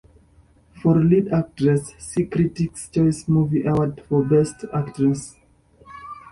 For lead actress, see Critics' Choice Movie Award for Best Actress.